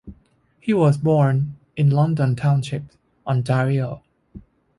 He was born in London Township, Ontario.